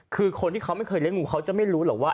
คือคนที่เขาไม่เคยเลี้ยงูเขาจะไม่รู้หรอกว่า